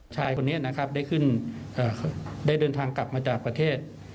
ชายคนนี้นะครับได้ขึ้นได้เดินทางกลับมาจากประเทศ